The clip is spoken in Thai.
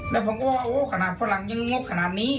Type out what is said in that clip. แล้วผมก็ว่าโอ้ขนาดฝรั่งยังงบขนาดนี้